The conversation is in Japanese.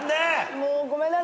もうごめんなさい。